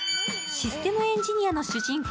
システムエンジニアの主人公